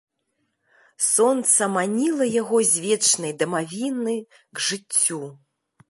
Сонца маніла яго з вечнай дамавіны к жыццю.